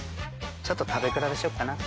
・ちょっと食べ比べしようかな。